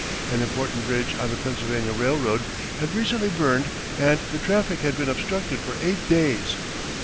An important bridge on the Pennsylvania Railroad had recently burned and the traffic had been obstructed for eight days.